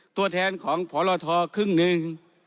ตัวแทนของพรทครึ่งหนึ่ง